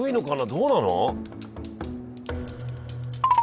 どうなの？